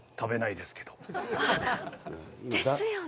ですよね？